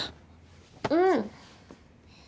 うん！